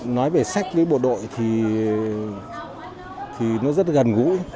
nói về sách với bộ đội thì nó rất gần